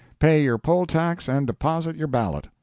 Pay your poll tax and deposit your ballot.